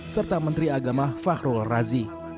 serta menteri agama fahrul razi